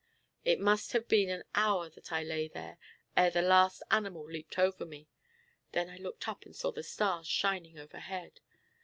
It must have been an hour that I lay here, ere the last animal leaped over me. Then I looked up and saw the stars shining overhead.